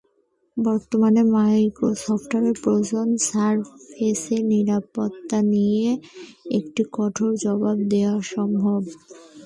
বর্তমানে মাইক্রোসফটের প্রয়োজন সারফেসের নিরাপত্তা নিয়ে একটি কঠোর জবাব দেওয়ার সময়।